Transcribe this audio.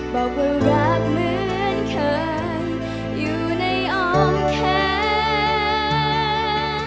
บอกว่ารักเหมือนเคยอยู่ในอ้อมแขน